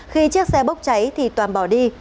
khi chiếc xe bốc cháy thì toàn bỏ đi